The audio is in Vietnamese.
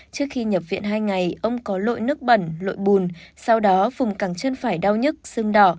trước khi nhập viện hai ngày ông có lội nước bẩn lội bùn sau đó vùng cẳng chân phải đau nhức xương đỏ